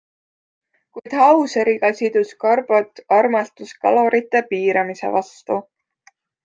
Kuid Hauseriga sidus Garbot armastus kalorite piiramise vastu.